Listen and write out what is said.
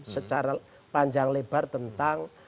secara panjang lebar tentang